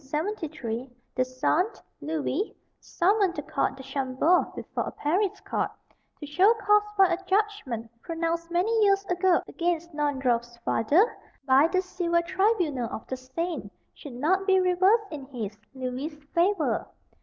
In 1873, the son, Louis, summoned the Count de Chambord before a Paris court, to show cause why a judgment pronounced many years ago against Naundorff's father, by the Civil Tribunal of the Seine, should not be reversed in his, Louis's, favour.